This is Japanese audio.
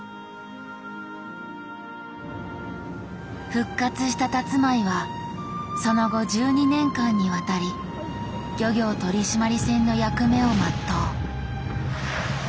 復活したたつまいはその後１２年間にわたり漁業取締船の役目を全う。